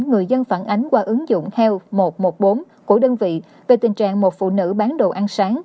người dân phản ánh qua ứng dụng heo một trăm một mươi bốn của đơn vị về tình trạng một phụ nữ bán đồ ăn sáng